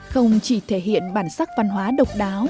không chỉ thể hiện bản sắc văn hóa độc đáo